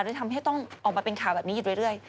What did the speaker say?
เลยทำให้ต้องออกมาเป็นข่าวแบบนี้อยู่เรื่อย